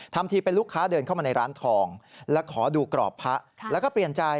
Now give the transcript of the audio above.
ทำทีเป็นลูกค้าเดินเข้ามาในร้านทองและขอดูกรอบพระแล้วก็เปลี่ยนใจ